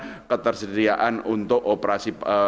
dan ketersediaan untuk operasi pasar